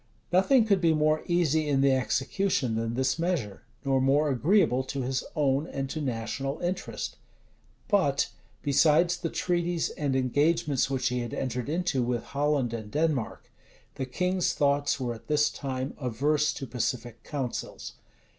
Nothing could be more easy in the execution than this measure, nor more agreeable to his own and to national interest. But, besides the treaties and engagements which he had entered into with Holland and Denmark, the king's thoughts were at this time averse to pacific counsels.